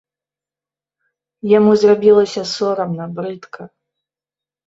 Яму зрабілася сорамна, брыдка.